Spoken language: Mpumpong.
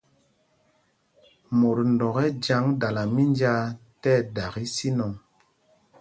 Mot ndɔk ɛ jyaŋ dala mínjāā ti ɛdak ísinɔŋ.